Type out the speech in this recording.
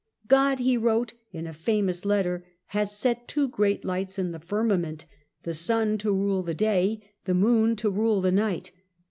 "God," he wrote in a famous letter, "has set two great lights in the firmament, the sun to rule the day, the moon to rule the night.